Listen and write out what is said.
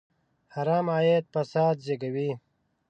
حرام عاید فساد زېږوي.